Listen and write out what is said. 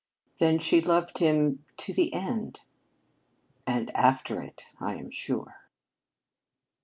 "Then she loved him to the end." "And after it, I am sure."